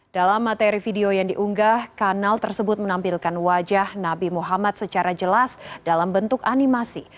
dalam materi video yang diunggah kanal tersebut menampilkan wajah nabi muhammad secara jelas dalam bentuk animasi